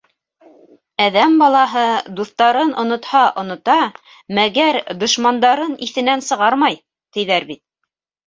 Әҙәм балаһы дуҫтарын онотһа онота, мәгәр дошмандарын иҫенән сығармай, тиҙәр бит.